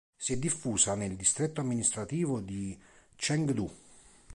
Si è diffusa nel distretto amministrativo di Chengdu.